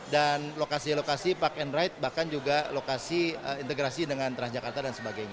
dan lokasi lokasi park and ride bahkan juga lokasi integrasi dengan transjakarta dan sebagainya